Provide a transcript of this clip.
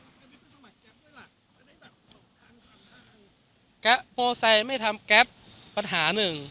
จะได้แบบสองทางสามทางแก๊ปโมไซไม่ทำแก๊ปปัญหาหนึ่ง